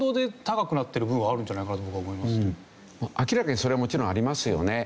明らかにそれはもちろんありますよね。